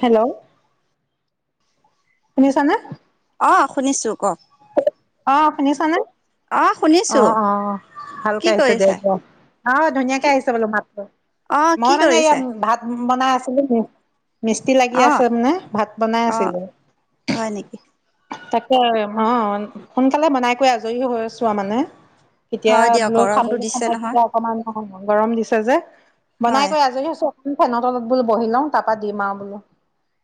Hello শুনিছানে? অ', শুনিছোঁ কওক। অ', শুনিছা নে‌? অ', শুনি অ', অ', ভালকে আহিছে দে এতিয়া অ ধুনীয়াকে কি আহিছে বোলো মাতটো। অঁ কি মই মানে কৰিছে ইয়াত ভাত বনাই আছিলোঁ। মিস্তি লাগি অঁ আছে মানে ভাত বনাই অঁ আছিলোঁ। হয় নেকি তাকে অ', সোনকালে বনাই কৰি আজৰি হৈ আছোঁ আৰু মানে। তেতিয়া হয় দিয়ক বোলো গৰমটো খাবলৈ দিছে সময় নহয় তেতিয়া অকণমান অ', গৰম দিছে যে হয় বনাই কৈ আজৰি হৈ ফেনত তলত বোলো বহি লওঁ তাৰপা দিম আৰু বোলো।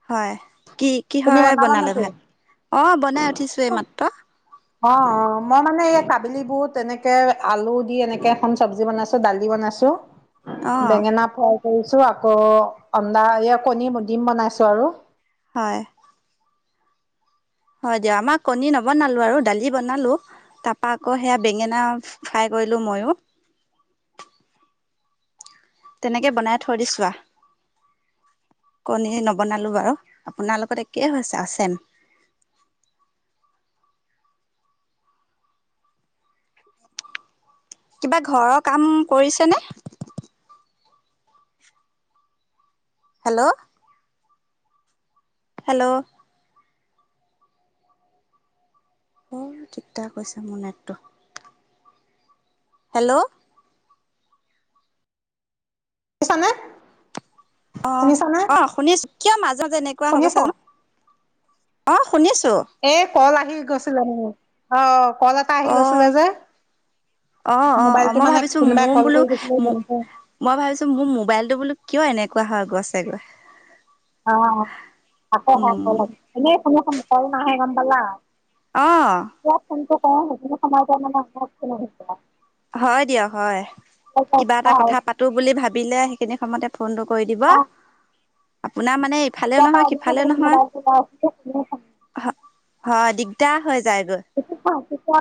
হয় কি তুমি কিহৰে বনালা বনালে নেকি? ভাত? অ', বনাই উঠিছোঁ মাত্ৰ‌। অ', অ', মই মানে এই কাবেলী বুট তেনেকে আলু দি এনেকে এখন চব্জি বনাইছোঁ, দালি বনাই আছোঁ। অঁ বেঙেনা ফ্ৰাই কৰিছো, আকৌ আন্দা এইয়া কণী দিম বনাইছোঁ আৰু। হয়। হয় দিয়ক আমাৰ কণী নবনালো আৰু দালি বনালো তাৰপা আকৌ সেয়া বেঙেনা ফ্ৰাই কৰিলোঁ ময়ো। [inaudible] তেনেকে বনাই থৈ দিছোঁ। কণী নবনালো বাৰু আপোনাৰ লগত একেই হৈছে চেম। [inaudible] কিবা ঘৰৰ কাম কৰিছেনে? হেল্ল'। হেল্ল'। অ', ঠিক ঠাক হৈছে মোৰ নেটটো। হেল্ল'। শুনিছানে? অ', শুনিছানে অ', শুনিছোঁ, কিয় মাজত এনেকুৱা হৈ শুনিছ গৈছেনো? এ কল আহি গৈছিলে মানে অ', কল এটা আহি অ গৈছিলে যে। অ অ অ মোবাইলটো মই মানে ভাবিছো কোনোবাই মোৰ কল বোলো কৰি দিছিলে তেনেক। মই ভাবিছোঁ মোৰ মোবাইলটো বোলো কিয় এনেকুৱা হয় গৈছেগৈ। উম [unintelligible] অহ। এতিয়া [unintelligible] হয়, দিয়ক হয়, কিবা এটা কথা পাতো বুলি ভাবিলে সেইখিনি সময়তে ফোনটো কৰি দিব, আপোনাৰ মান মানে ইফালেও তেতিয়াৰ নহয় পৰা এনেই সিফালেও বহি নহয়। মোবাইলটো চাই আছিলো হয়, দিগদাৰ হৈ যায়গৈ। অ'।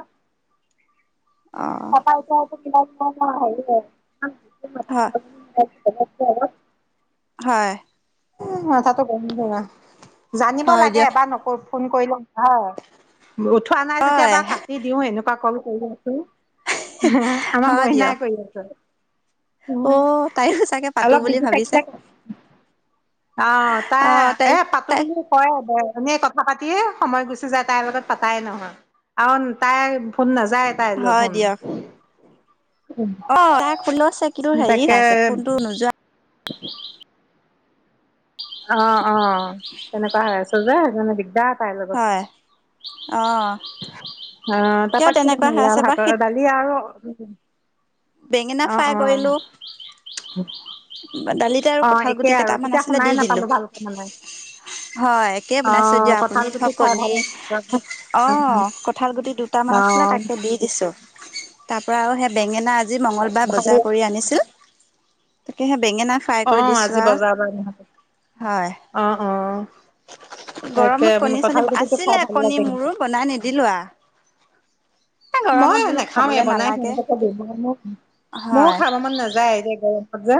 অ [inaudible] হ [inaudible] হয়। মাথাটো গৰম কৰে, জানিব হয় লাগে দিয়ক এবাৰ নকৰোঁ। ফোন কৰিল উঠাৱ। উঠোৱা নাই যেতিয়া হয় বা কাটি দিওঁ এনেকুৱা কৰোঁ [unintelligible] হা, আমাৰ হয় দিয়ক মইনাই কৰি আছে। উম, অ' তাইও চাগে পাতো অলপ বুলি বিজি থাকি ভাবিছে [unintelligible] আহ, তাই অ' এ পাতো তাই বুলি কয়। এনে কথা পাতিয়ে সময় গুচি যায় তাইৰ লগত পাতাই নহয়। আৰু তাই ফোন যায় তাইলে হয় ফোন। দিয়ক অ [unintelligible] হেৰি হৈ আছে তাকে ফোনটো নোযোৱা। অ' অ' তেনেকুৱা হৈ আছে যে মানে দিগদাৰ তাইৰ লগত। হয় অ' অ' কিয় তাৰাপা কি তেনেকুৱা হৈ বনালা? আছে বা ভাতৰ সেই লগত দালি আৰু, [inaudible] বেঙেনা অ', ফ্ৰাই অ', কৰিলোঁ। দালিতে আৰু অ', কঁঠাল একেই গুটি আৰু কেইটামান তেতিয়া আছিলে শুনাই দি দিলো। নাপালো ভালকে মানে। হয়, একেই বনাইছোঁ অ', দিয়ক, কঁঠাল আপুনি গুটি ধৰক খাই কণী, ভাল লাগে। অ' কঠাল গুটি দুটামান আছিলে, অ', তাকে দি দিছো। তাৰ পৰা আৰু সেই বেঙেনা আজি মঙ্গলবাৰ ভালে বজাৰ কৰি আনিছোঁ। অ' আজি আৰু বজাৰ পৰা আনিলোঁ, হয় অ' অ'। তাকে, গৰমত কণী চনী কঠাল গুটিটো আছিলে খোৱা ভালো কণী লাগে মোৰো কিন্তু। বনাই নিদিলো আৰু গৰমত মইও বোলো নাখাওঁৱে, খাবলে বনাই নালাগে সিহঁতকে দিওঁ, ময়ো হয় খাব মন নাযায়ে, এই যে গৰম যে,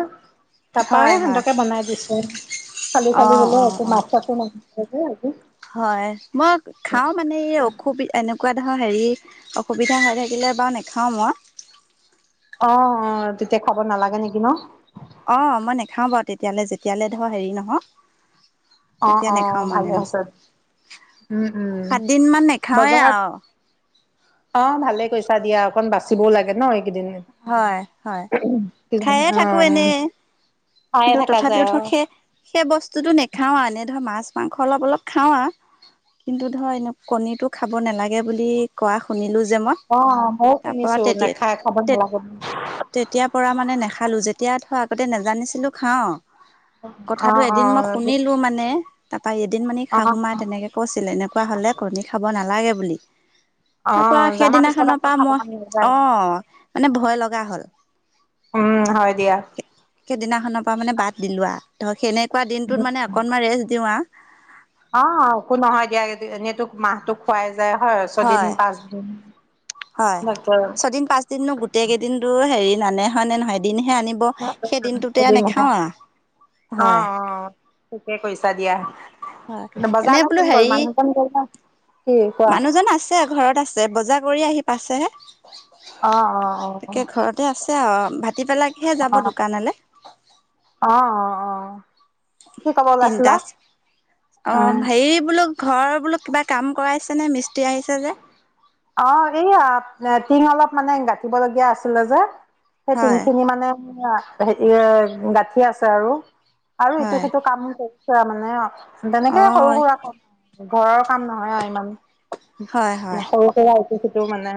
তাৰপা হয় হয় সিহঁতকে বনাই দিছোঁ, খালি অ খালি বোলোঁ অ একো অ মাছ-চাছো নাই হয়, মই খাওঁ মানে এই অখুবি-এনেকুৱাত ধৰ হেৰি, অসুবিধা হৈ থাকিলে বাৰু নাখাওঁ মই। অ' অ' তেতিয়া খাব নালাগে নেকি ন? অ' মই নেখাও বাৰু তেতিয়ালে, যেতিয়ালে ধৰ হেৰি নহও। অ তেতিয়া অ নেখাওঁ ভালে মানে মই। হৈছে উম উম সাতদিন মান নাখাওঁৱে বজাৰত আৰু অ' ভালে কৰিছা দিয়া অকন বাচিবও লাগে ন হয় হয় কেইদিন খায়ে অ' থাকো এনেই অ' খায়ে কিন্তু থাকা তথাপিও যায় ধৰক, সেই-সেই বস্তুটো নেখাও আৰু এনেই ধৰক মাছ মাংস অলপ অলপ খাওঁ আৰু কিন্তু ধৰ এনে-কণীটো খাব নালাগে বুলি কোৱা শুনিলোঁ যে মই, অ মইও তাৰপৰা শুনিছো নাখাই খাব তেতিয়া-তেত নালাগে বুলি। তেতিয়াৰ পৰা মানে নাখালোঁ, যেতিয়া ধৰাক আগতে নেজানিছিলোঁ খাওঁ আহ। অ' কথাটো অ এদিন মই শুনিলোঁ মানে, তাৰপৰা এদিন মানে অ শাহু মাই তেনেকে কৈছিলে, এনেকুৱা হ'লে ক'ত দেখাব নালাগে বুলি। অ তাৰ পৰা জানা পিছত সেইদিনাখনৰ আকৌ পৰা খাব মই, মন নাযায় অ' মানে ভয় লগা হ'ল। উম, হয় দিয়া। সেইদিনাখনৰ পৰা মানে বাদ দিলোঁ আৰু ধৰক সেনেকুৱা দিনটোত মানে অকনমান ৰেষ্ট দিওঁ আহ অ' একো নহয় দিয়া, এনেওটো মাহ তোক খুৱাই যায় হয়। ছয়দিন, পাঁচদিন হয়, ছদিন পাঁচদিননো গোটেই কেইদিনতো হেৰি নানে, হয় নে নহয়, এদিন হে আনিব, সেই দিনটোতে নাখাওঁ আৰু অ'অ'ঠিকেই কৰিছা হয় দিয়া। এনে বজাৰলে বোলো কোন গ'ল, হেৰি মানুহ জন গ'ল নে? মানুহজন আছে, ঘৰত আছে, বজাৰ কৰি আহি পাইছেহে। অ' অ' অ'। অ', ভাটি বেলাকেহে যাব অ দোকানলে? অ অ অ'। কি ক'ব তিনটা, ওলাইছিলা অ', হেৰি বোলো ঘৰ বোলো কিবা কাম কৰাইছেনে মিস্ত্ৰী আহিছে যে? অ', এইয়া এ, টিং অলপ মানে গাঁঠিবলগীয়া আছিলে যে। সেই হয় টিংখিনি মানে এয়া হেৰি এ-গাঁঠি আছে আৰু। আৰু ইটো, হয় সিটো কাম কৰিছে মানে, তেনেকে অ সৰু সুৰা কাম ঘৰৰ কাম নহয় আৰু ইমান। হয়, হয়। ইটো-সিটো মানে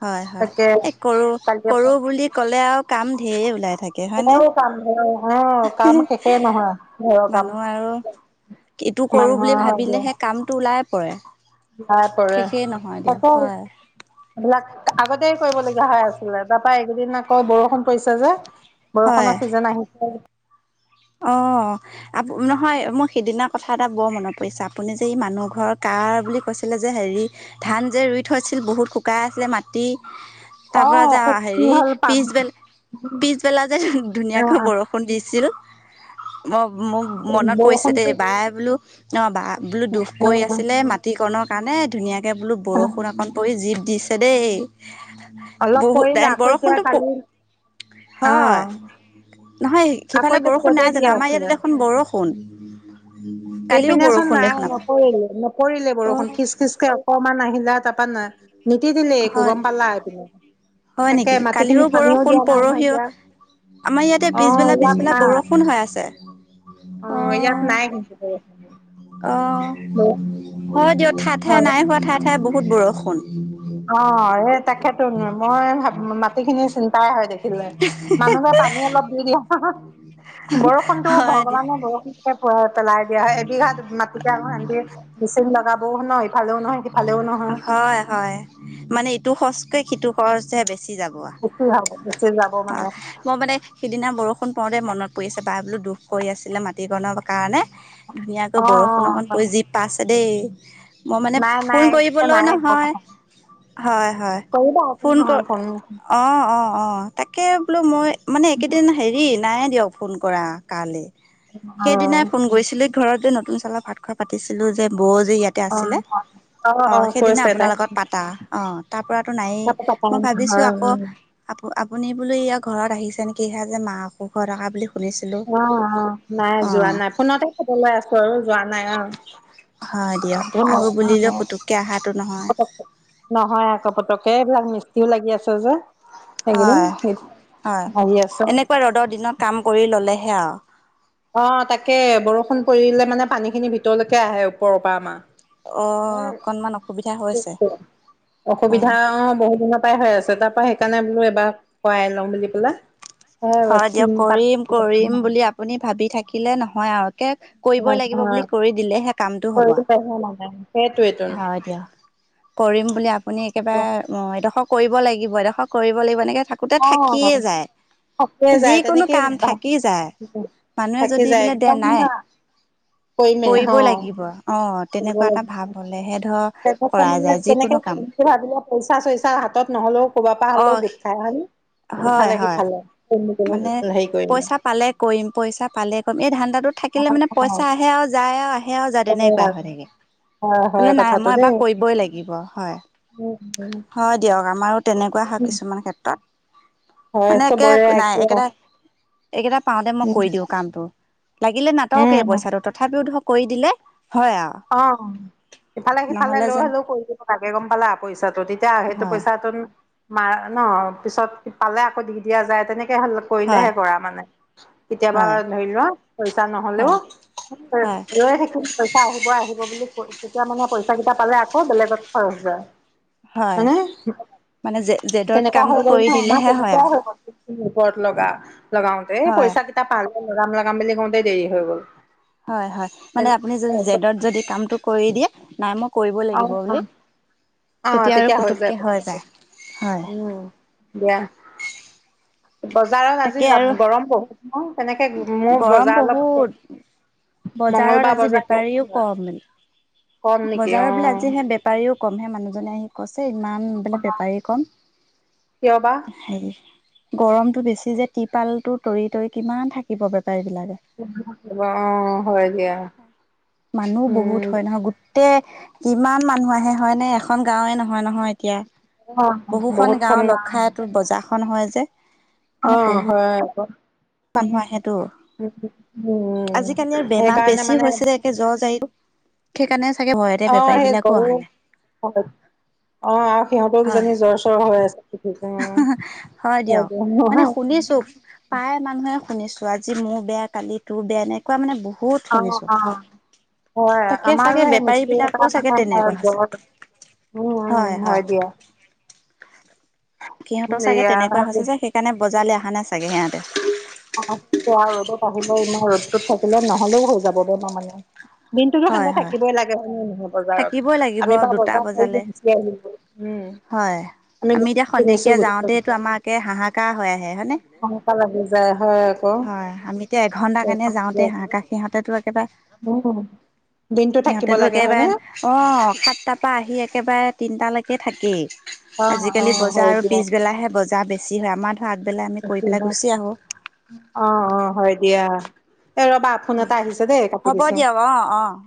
হয় হয়, তাকে এই কৰো, কালি কৰো পৰা বুলি ক'লে আৰু কাম ঢেৰ ওলাই থাকে হয় নে? ঘৰৰ কাম ঘৰৰ অ কাম শেষেই নহয় ঘৰৰ কাম মানুহৰ আৰু এইটো কৰোঁ মানুহৰ বুলি ভাবিলেহে কামটো ওলাই পৰে। ওলাই পৰে, শেষেই নহয় দিয়ক তাকে হয় এইবিলাক আগতেই কৰিবলগীয়া হৈ আছিলে, তাপা এইকেইদিন আকৌ বৰষুণ পৰিছে যে। হয় বৰষুণৰ ছিজন আহিছে। অ আ নহয় মোৰ সিদিনা কথা এটা বৰ মনত পৰিছে আপুনি যে ই মানুহ ঘৰৰ কা কাৰ বুলি কৈছিলে যে হেৰি, ধান যে ৰুই থৈছিল বহুত শুকাই আছিলে মাটি। তাৰ অ পৰা যা কি হেৰি, হ'ল পাম পিছবেল পিছবেলা যে ধুনীয়াকে অ বৰষুণ দিছিল। ম-মোক মনত পৰিছে দেই, বৰষুণটো বাইয়ে বোলো অ বা বোলো দুখ কৰি আছিলে অ', মাটিকণৰ কাৰণে ধুনীয়াকৈ বোলো বৰষুণ অকণ পৰি যি দিছে দেই, অলপ বহুত পৰিলে আকৌ এতিয়া বৰষুণটো পু কালি অ হয়, নহয় আকৌ সিফালে এতিয়াতো বৰষু ৰ'দে নাই জানো আমাৰ ইয়াতে দেখোন বৰষুণ। কালিও এইপিনে চোন বৰষুণ নাই দেখোন আমাৰ নপৰিলে-নপৰিলে বৰষুণ অ', খিচ খিচ কে অকম মান আহিলা তাৰপা, নীতি তিলে একো হয় গম পালা এপিনে। হয় তাকে নেকি মাটি কালিৰো খিনি পানীও বৰষুণ দিয়া নাই নহয় পৰহিও এতিয়া, আমাৰ ইয়াতে অ পিছবেলা ইয়াত পিছবেলা নাই, বৰষুণ হৈ আছে অ, ইয়াত নাই [unintelligible] অ উম। অ', দিয়ক ঠাই ঠাই নাই হোৱা, ঠাই ঠায়ে বহুত বৰষুণ। অ', এ তাকে। মই, মাটি খিনি চিন্তাই হয় দেখিলে, মানুহবোৰে পানী অলপ দি দি বৰষুণতটো হয় দি ভগৱানে বৰষুণ পোৱাই। পেলাই দিয়া হয় এবিঘাত মাটিতে আৰু সেন্দি মেচিন লগাবও ন'। ইফালেও নহয় হিফালেও নহয়। হয় হয় মানে ইটো খচতে সিটো খৰচহে বেছি। চি যাব বেছি হ'ব বেছি যাব আ, মানে মই মানে সিদিনা বৰষু ষুন পৰোতেই মনত পৰি আছে বা বোলো দুখ কৰি আছিলে মাটিকণনৰ কাৰণে। ধুনীয়াকৈ অ বৰষুণ অকণ অ পৰি জি পা আছে দেই। মই মানে নাই ফোন নাই কৰিবলৈও নাই নহয়। বৰষুণ হয়-হয়, কৰিবা একো ফোন কৰ নহয় অ', অ', অ', তাকে বোলো মই, মানে একেইদিন হেৰি নাই দিয়ক ফোন কৰা। কালি অ সেইদিনাই ফোন কৰিছিলো, ঘৰত যে নতুন চালৰ ভাত খোৱা পাতিছিলো যে, বৌ যে ইয়াতে আছিলে। হয়। অ', সেইদিনা আপোনাৰ লগত পাতা, অ', তাৰ পৰাতো নায়েই, মই ভাবিছো হয় আকৌ উম আপ আপুনি বোলো ইয়া ঘৰত আহিছে নেকি হে, যে মা' অসুখ হৈ থকা বুলি। শুনিছিলোঁ অ', অ', নাই, যোৱা অঁ নাই, ফোনতে খবৰ লৈ আছো আৰু যোৱা নাই অ'। হয় দিয়ক, আহো বুলিলে পুতুককে আহা প [unintelligible] নহয় আকৌ পতকে এইবিলাক মিস্তিও লাগি আছে যে। এইকেইদিন হয়-হয়, আহি আছে এনেকুৱা ৰ'দৰ দিনত কাম কৰি ল'লেহে আৰু। অ', তাকে বৰষুণ পৰিলে মানে পানী খিনি ভিতৰলৈকে আহে ওপৰৰ পৰা আমাৰ। অ', অকনমান অসুবিধা হৈছে [unintelligible] অসুবিধা হয়। অ', বহুত দিনৰ পৰাই হৈ আছে তাৰ পৰা সেইকাৰণে এবাৰ, খোৱাই লওঁ বুলি পেলাই। হয়', দিয়ক টিং পাত কৰিম কৰিম বুলি আপুনি ভাবি থাকিলে নহয় আৰু। কে, কৰিবই লাগিব বুলি কৰি দিলেহে কামটো হ'ব আও। সেইটোৱেইটোন হয় দিয়ক, কৰিম বুলি আপুনি একেবাৰে এডখক কৰিব লাগিব, এডোখৰ কৰিব লাগিব এনেকে থাকোতে অ থাকিয়ে যায়। থকিয়ে যায় যিকোনো তেনেকেই কাম থাকি যায়, মানুহে থাকি যদি যায় বোলে দে একদম নাই মানে কৰিমে অ কৰিবই লাগিব, অ', কৰিব তেনেকুৱা এটা লাগিব ভাৱ হলেহে ধৰ, তেনেকে কৰা মানে যায় যিকোনো। - [unintelligible] ভাবিলে পইচা চইচা হাতত নহ'লেও ক'ৰবাৰ পৰা হলেও অ', গোট খাই হয়নে? হয় ইফালে হয়। সিফালে। মানে, হেৰি কৰিম পইচা পালে কৰিম, পইচা পালে কৰিম এই ধান থাকিলে মানে পইচা আহে আৰু যায়, আৰু আহে আৰু যায় তেনেকুৱা হৈ হয় থাকে। বোলে হয় নাই কথাটো মই দেই এবাৰ কৰিবই লাগিব, হয় হয় দিয়ক আমাৰো। তেনেকুৱা হয় কিছুমান ক্ষেত্ৰত। হয় আছ মানে একে চবৰে নাই একে উম একেটা এইকেইটা পাওঁতে মই কৰি দিওঁ কামটো। লাগিলে নাটওকে পইচাটো তথাপিও ধৰক কৰি দিলে হয় আৰু অ'। সফালে -সিফালে নহ'লে লৈ যেন হলেও কৰি দিব লাগে গম পালা, পইচাটো, তেতিয়া সেইটো হয় পইচাটো মাৰ ন', পিছত পালে আকৌ দি দিয়া যায়, তেনেকে হয় কৰিলেহে কৰা মানে কেতিয়াবা হয় ধৰি লোৱা, পইচা নহলেও হয় হয় ৰই থাকিম পইচা আহিব। আহিব বুলি ক তেতিয়া মানে পইচা কেইটা পালে আকৌ বেলেগত খৰচ হয়। হয় নে? মানে জে জেদত তেনেকোৱা কামটো হয় গ'ল, কৰি আমাৰ দিলেহে তেনেকুৱা আৰু হয় গ'ল। ওপৰত লগা, লগাওতে হয় পইচা কেইটা পালে লগাম -লগাম বুলি কওঁতেই দেৰি হৈ গ'ল। হয়- হয় মানে আপুনি যদি জেদত যদি কামটো কৰি দিয়ে, নাই মোক কৰিব অ লাগিব বুলি। তেতিয়া আৰু পুতুককে হয় যায় হয়। উম দিয়া বজাৰত আজি তাকে আৰু গৰম বহুত ন' তেনেকে মোৰ গৰম বজাৰৰ বহুত [unintelligible] বজাৰত আজি বেপাৰীও কম মানে। কম নেকি অ বজাৰৰ বোলে আজিহে বেপাৰীও কমহে, মানুহজনে আহি কৈছে। ইমান বানে বেপাৰী কম, কিয় বা হেৰি, গৰমটো বেছি [unintelligible] তিপালটো তৰি-তৰি কিমান থাকিব বেপা অ', হয় দিয়া। মানুহ বহুত উম হয় নহয় গোটেই, কিমান মানুহ আহে হয় নে, এখন গাওঁৱে নহয়, নহয়। এতিয়া অ বহুখন গাও বহুতখন লগ গান খাইটো বজাৰখন হয় যে। অ, মানে বহুত হয় আক। মানুহ আহে [unintelligible] উম আজিকালি আৰু বেমাৰ সেইকাৰণে বেছি মানে হৈছে যে একে জ্বৰ যাই সেই কাৰণে অ', সেই, [unintelligible] আৰু সিহঁতো হয় কিজানি জ্বৰ চৰ হৈ আছে। হয় অ দিয়ক। মানে শুনিছো প্ৰায় মানুহে শুনিছো। আজি মোৰ বেয়া, কালি তোৰ বেয়া, এনেকুৱা মানে বহুত শুনিছো। অ হয়। তাকে আমাৰো চাগে সেই বেপাৰী মস্ত্ৰী বিলাকও এটা চাগে মানে তেনেকুৱা হৈছে [unintelligible] উম, উ, হয় দিয়া। সিহঁতৰ চাগে তেনেকুৱা এয়া হৈছে যে সেইকাৰণে বজাৰলৈ অহা নাই চাগে সিহঁতে। [unintelligible] ৰ'দত আহিলে ইমান ৰ'দটোত থাকিলে নহলেও হৈ যাবগে তাৰমানে। দিনটো হয় ঠাণ্ডা হয় থাকিবই লাগে, হয় নে নহয়? বজাৰত, থাকিবই লাগিব আমি বাৰ দুটা বজাৰ বজালে [unintelligible] আহিলোগৈ, উম। হয় আমি এতিয়া কিনিছো খন্তেকীয়া গুচি যাওঁতেই আহিছো। আমাৰে হাহাকাৰ হৈ আহে হয়নে? এনেকুৱা লাগি যায় হয় আকৌ হয়, আমি এতিয়া এঘন্টা কাৰণে যাওঁতে হাহাকাৰ সিহঁতেটো একেবাৰে [unintelligible] দিনতটো থাকিব সিহঁতেতো লাগে একেবাৰে হয়নে? অ', সাতটাৰ পৰা আহি একেবাৰে তিনিটালৈকে থাকেই। অ অ আজিকালি বজাৰ হয় আৰু দিয়া পিছবেলাহে, বজাৰ বেছি হয় আমাৰ আগবেলাই আমি কৰি বেছি পেলাই গুচি আহো। এই ৰ'বা ফোন এটা আহিছে দেই কাটি হ'ব দিছো। দিয়ক অ' অ'।